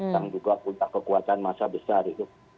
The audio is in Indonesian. yang juga punya kekuatan masa besar itu